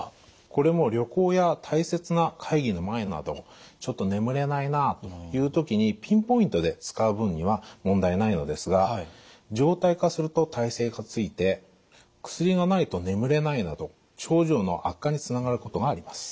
これも旅行や大切な会議の前などちょっと眠れないなという時にピンポイントで使う分には問題ないのですが常態化すると耐性がついて薬がないと眠れないなど症状の悪化につながることがあります。